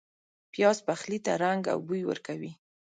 پیاز پخلي ته رنګ او بوی ورکوي